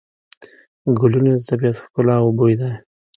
ګلونه د طبیعت ښکلا او بوی دی.